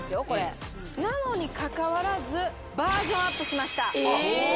これなのにかかわらずバージョンアップしましたえっ